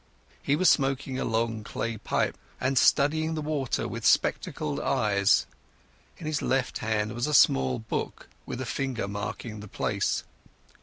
He was smoking a long clay pipe and studying the water with spectacled eyes. In his left hand was a small book with a finger marking the place.